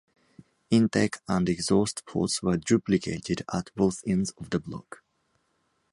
Intake and exhaust ports were duplicated at both ends of the block.